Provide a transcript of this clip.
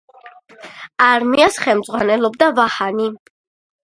არმიას ხელმძღვანელობდა ვაჰანი.